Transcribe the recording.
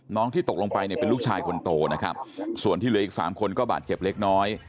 ที่ตกลงไปเนี่ยเป็นลูกชายคนโตนะครับส่วนที่เหลืออีกสามคนก็บาดเจ็บเล็กน้อย